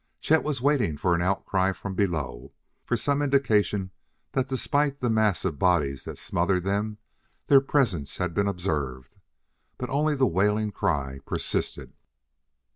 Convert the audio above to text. Chet was waiting for an outcry from below, for some indication that despite the mass of bodies that smothered them, their presence had been observed. But only the wailing cry persisted.